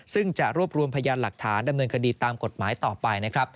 ซึ่งจะรวบรวมพยานหลักฐานดำเนินคดีตามกฎหมายต่อไปนะครับ